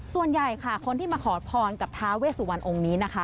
ส่วนใหญ่ค่ะคนที่มาขอพรกับท้าเวสุวรรณองค์นี้นะคะ